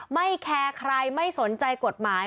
ไม่แคร์ใครไม่สนใจกฎหมาย